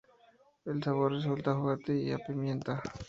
El sabor resulta fuerte y a pimienta.